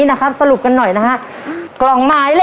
หนึ่งล้านหนึ่งล้าน